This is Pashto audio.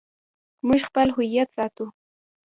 موږ خپل هویت ساتو